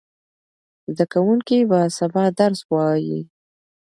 زده کوونکي به سبا درس وایي.